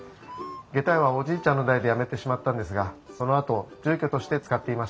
げた屋はおじいちゃんの代でやめてしまったんですがそのあと住居として使っていました。